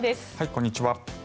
こんにちは。